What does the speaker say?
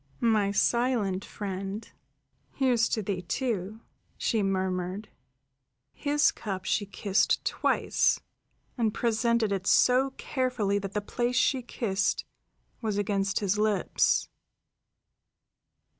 "My silent friend, here's to thee, too," she murmured. His cup she kissed twice, and presented it carefully so that the place she kissed was against his lips.